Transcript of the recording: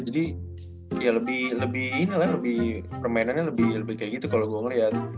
jadi ya lebih lebih inilah lebih permainannya lebih kayak gitu kalo gua ngeliat